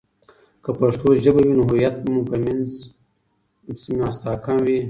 که پښتو ژبه وي، نو هویت به مو په منځ مي مستحکم وي.